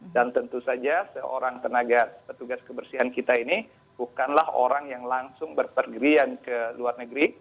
dan tentu saja seorang tenaga petugas kebersihan kita ini bukanlah orang yang langsung berpergian ke luar negeri